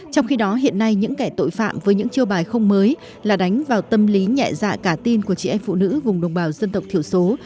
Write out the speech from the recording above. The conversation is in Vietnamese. trong khi đó hiện nay những kẻ tội phạm với những chiêu bài không mới là đánh vào tâm lý nhẹ dạ cả tin của chị em phụ nữ vùng đồng bào dân tộc thiểu số